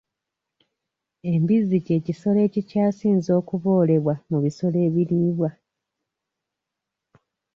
Embizzi ky'ekisolo ekikyasinze okuboolebwa mu bisolo ebiriibwa.